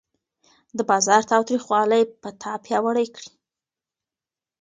د بازار تریخوالی به تا پیاوړی کړي.